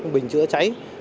bình chữa cháy